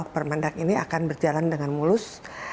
permendak ini akan berjalan dengan mulus